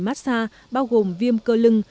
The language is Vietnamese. massage bao gồm viêm cơ lưng